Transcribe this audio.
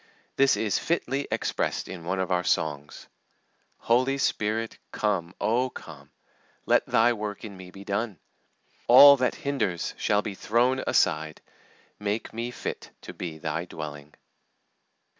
This is fitly expressed in one of our songs: "Holy Spirit, come, Oh, come! Let Thy work in me be done! All that hinders shall be thrown aside; Make me fit to be Thy dwelling."